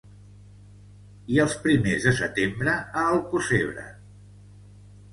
I els primers de setembre a Alcossebre.